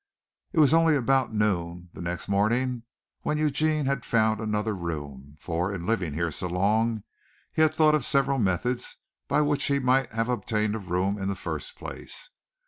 It was only about noon the next morning when Eugene had found another room, for, in living here so long, he had thought of several methods by which he might have obtained a room in the first place.